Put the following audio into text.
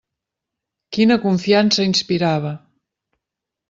Quina confiança inspirava!